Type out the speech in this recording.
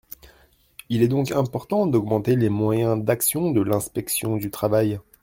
Il est donc important d’augmenter les moyens d’action de l’inspection du travail.